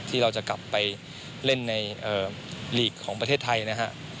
ที่เราจะกลับไปเล่นในหลีกของประเทศไทยนะฮะ